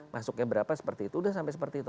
masuknya berapa seperti itu udah sampai seperti itu